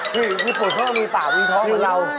พี่ญี่ปุ่นน้องมีพาวเงียบท้องกว่าเรา